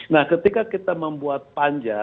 nah ketika kita membuat panja